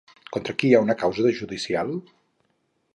Contra qui hi havia una causa judicial?